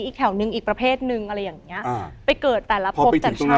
อีกแถวหนึ่งอีกประเภทหนึ่งอะไรอย่างเนี้ยไปเกิดแต่ละพบแต่หน้าเหมือนกัน